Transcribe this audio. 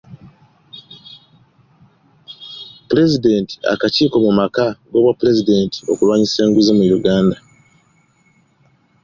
Pulezidenti akakiiko mu maka g’Obwapulezidenti okulwanyisa enguzi mu Uganda.